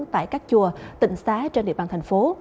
tại các chùa tỉnh xá trên địa bàn thành phố